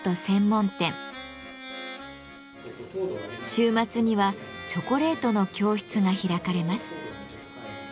週末にはチョコレートの教室が開かれます。